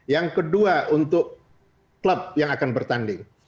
yang kedua untuk klub yang akan bertanding